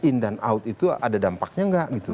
in dan out itu ada dampaknya nggak gitu